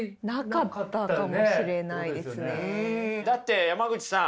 だって山口さん